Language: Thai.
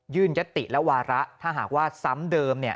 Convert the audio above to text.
ยื่นยัตติและวาระถ้าหากว่าซ้ำเดิมเนี่ย